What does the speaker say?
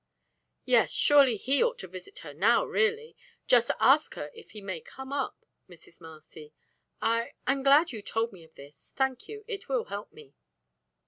"Yes, surely he ought to visit her now, really. Just ask her if I may come up, Mrs. Marcy. I I'm glad you told me of this. Thank you. It will help me."